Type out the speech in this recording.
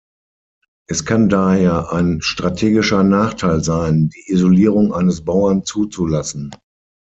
Es kann daher ein strategischer Nachteil sein, die Isolierung eines Bauern zuzulassen.